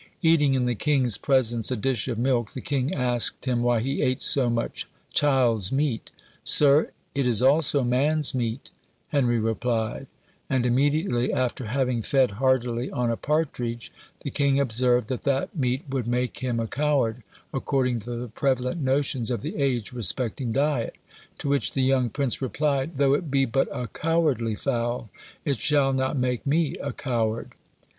Eating in the king's presence a dish of milk, the king asked him why he ate so much child's meat. "Sir, it is also man's meat," Henry replied; and immediately after having fed heartily on a partridge, the king observed that that meat would make him a coward, according to the prevalent notions of the age respecting diet; to which the young prince replied, "though it be but a cowardly fowl, it shall not make me a coward."